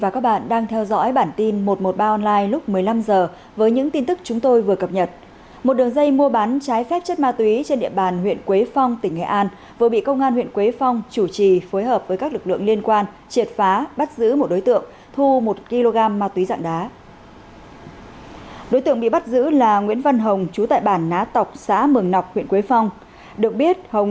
cảm ơn các bạn đã theo dõi